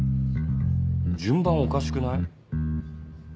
順番おかしくない？